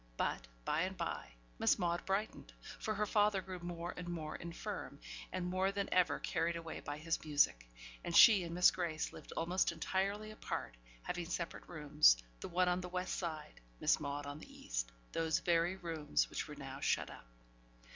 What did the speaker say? But, by and by, Maude brightened; for her father grew more and more infirm, and more than ever carried away by his music; and she and Miss Grace lived almost entirely apart, having separate rooms, the one on the west side, Miss Maude on the east those very rooms which were now shut up.